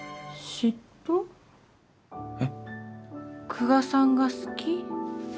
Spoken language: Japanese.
久我さんが好き。